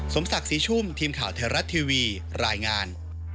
สมศักดิ์ศรีชุ่มทีมข่าวไทยรัฐทีวีรายงาน